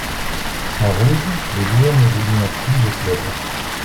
En rouge les joueurs n'évoluant plus au club.